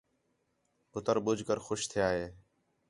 پُتر ٻُجھ کر خوش تِھیا ہِے